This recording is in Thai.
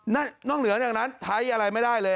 นั่นน่องเหลืองอย่างนั้นทัยอะไรไม่ได้เลย